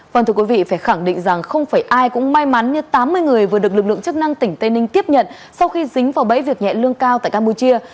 vâng thưa quý vị phải khẳng định rằng không phải ai cũng may mắn như tám mươi người vừa được lực lượng chức năng tỉnh tây ninh tiếp nhận sau khi dính vào bẫy việc nhẹ lương cao tại campuchia